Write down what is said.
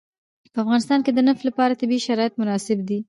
په افغانستان کې د نفت لپاره طبیعي شرایط مناسب دي.